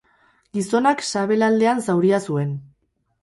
Gizonak sabelaldean zauria zuen.